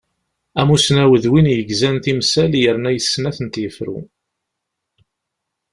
Amusnaw d win yegzan timsal yerna yessen ad atent-yefru.